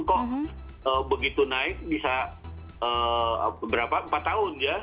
kok begitu naik bisa berapa empat tahun ya